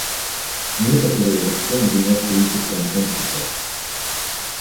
Некоторые во всем винят принцип консенсуса.